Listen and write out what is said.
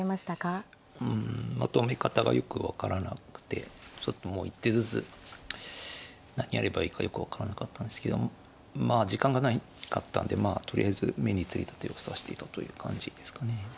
うんまとめ方がよく分からなくてちょっともう一手ずつ何やればいいかよく分からなかったんですけどまあ時間がなかったんでとりあえず目についた手を指していたという感じですかね。